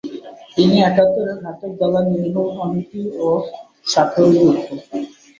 তিনি একাত্তরের ঘাতক দালাল নির্মূল কমিটি সাথেও যুক্ত।